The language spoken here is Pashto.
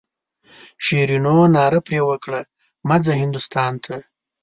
شیرینو ناره پر وکړه مه ځه هندوستان ته.